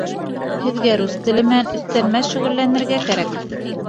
Һеҙгә рус теле менән өҫтәлмә шөғөлләнергә кәрәк